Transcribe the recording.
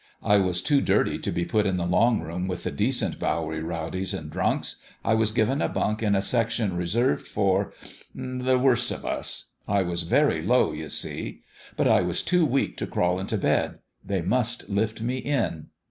I was too dirty to be put in the long room with the decent Bowery rowdies and drunks. I was given a bunk in a section reserved for the worst of us. ... I was very low, you see. ... But I was too weak to crawl into bed ; they must lift me in.